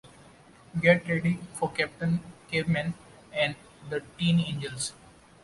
Get ready for Captain Caveman and the Teen Angels!